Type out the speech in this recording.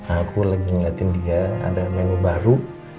aku lagi ngeliatin dia ada menu baru